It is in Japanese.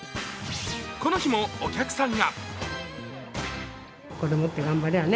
この日もお客さんが。